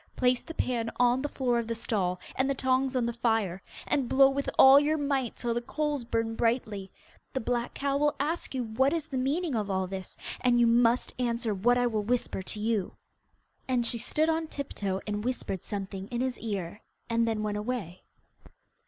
Place the pan on the floor of the stall, and the tongs on the fire, and blow with all your might, till the coals burn brightly. The black cow will ask you what is the meaning of all this, and you must answer what I will whisper to you.' And she stood on tip toe and whispered something in his ear, and then went away.